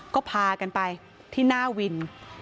ก็พากันไปที่หน้าวิน